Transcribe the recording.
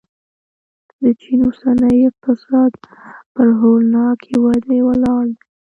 د چین اوسنی اقتصاد پر هولناکې ودې ولاړ دی.